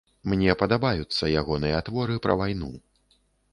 Мне падабаюцца ягоныя творы пра вайну.